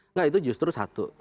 nggak itu justru satu